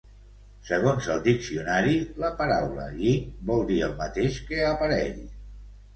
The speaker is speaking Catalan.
Segons el diccionari, la paraula "giny" vol dir el mateix que "aparell".